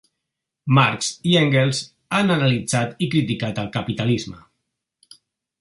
Marx i Engels han analitzat i criticat el capitalisme.